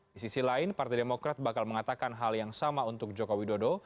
di sisi lain partai demokrat bakal mengatakan hal yang sama untuk jokowi dodo